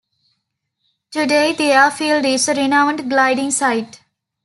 Today, the airfield is a renowned gliding site.